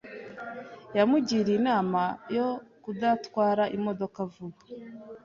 Yamugiriye inama yo kudatwara imodoka vuba